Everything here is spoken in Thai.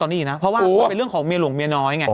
นี่ก็ใช่แต่แค่ตอนที่ลูบต้อง